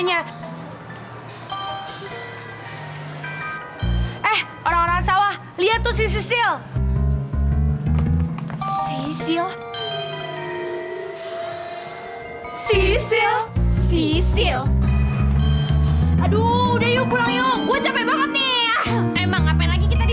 sekarang keluarin lipstick masing masing cepetan